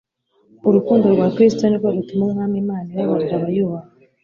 Urukundo rwa Kristo ni rwo rutuma Umwami Imana ibabarira abayubaha.